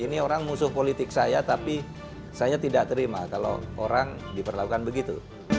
ini orang musuh politik saya tapi saya tidak terima kalau orang diperlakukan begitu